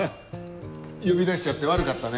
呼び出しちゃって悪かったね。